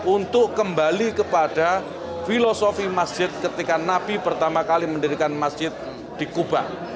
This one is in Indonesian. untuk kembali kepada filosofi masjid ketika nabi pertama kali mendirikan masjid di kuba